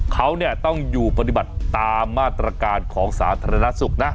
เขาต้องอยู่ปฏิบัติตามมาตรการของสาธารณสุขนะ